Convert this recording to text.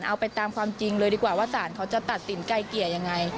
เอาไปตามความจริงเลยดีกว่าว่าสารเขาจะตัดสินไกลเกลี่ยยังไง